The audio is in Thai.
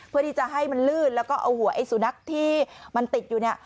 เพื่อที่จะให้มันลื่นแล้วก็เอาหัวไอ้สุนัขที่มันติดอยู่เนี่ย